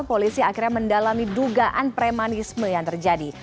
polisi akhirnya mendalami dugaan premanisme yang terjadi